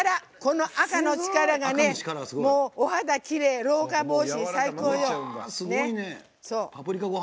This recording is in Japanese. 赤の力が、お肌きれい老化防止に最高よ。